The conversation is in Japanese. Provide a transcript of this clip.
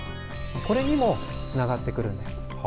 これにもつながってくるんです。